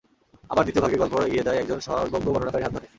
আবার দ্বিতীয় ভাগে গল্প এগিয়ে যায় একজন সর্বজ্ঞ বর্ণনাকারীর হাত ধরে।